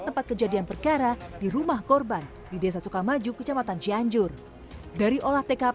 tempat kejadian perkara di rumah korban di desa sukamaju kecamatan cianjur dari olah tkp